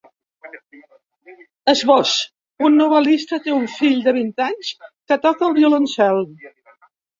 Esbós: Un novel·lista té un fill de vint anys que toca el violoncel.